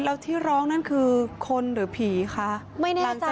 โอ้ยแล้วที่ร้องนั่นคือคนหรือผีค่ะแล้วที่ร้องนั่นคือคนหรือผีค่ะ